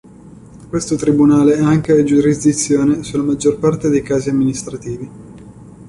Questo tribunale ha anche giurisdizione sulla maggior parte dei casi amministrativi.